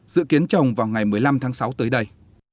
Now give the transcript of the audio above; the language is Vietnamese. dự kiến trồng vào ngày một mươi năm tháng sáu tới đây